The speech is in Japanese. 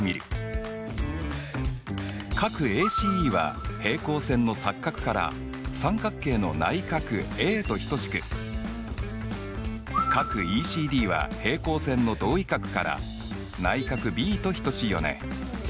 角ＡＣＥは平行線の錯角から三角形の内角ａと等しく角ＥＣＤは平行線の同位角から内角ｂと等しいよね。